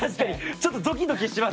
ちょっとドキドキします。